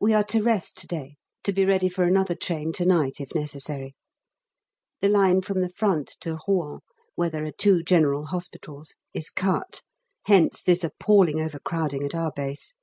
We are to rest to day, to be ready for another train to night if necessary. The line from the front to Rouen where there are two General Hospitals is cut; hence this appalling over crowding at our base.